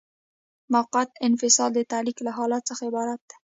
موقت انفصال د تعلیق له حالت څخه عبارت دی.